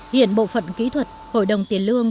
hiện bộ phận kỹ thuật hội đồng tiền lương